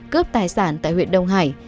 cướp tài sản tại huyện đông hải